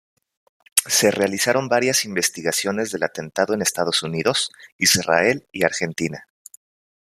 Se realizaron varias investigaciones del atentado en Estados Unidos, Israel y Argentina.